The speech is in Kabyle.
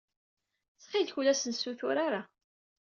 Ttxil-k, ur asen-ssutur ara.